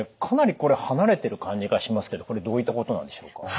かなりこれ離れてる感じがしますけどこれどういったことなんでしょうか？